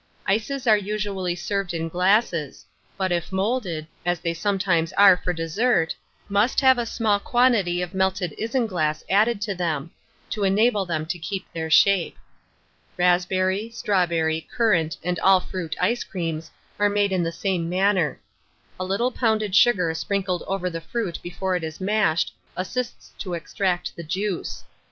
Ices are usually served in glasses, but if moulded, as they sometimes are for dessert, must have a small quantity of melted isinglass added to them, to enable them to keep their shape. Raspberry, strawberry, currant, and all fruit ice creams, are made in the same manner. A little pounded sugar sprinkled over the fruit before it is mashed assists to extract the juice.